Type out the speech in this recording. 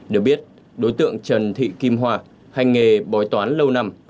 được biết đối tượng trần thị kim hoa hành nghề bói toán lâu năm